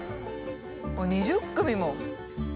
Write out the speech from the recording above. ２０組も！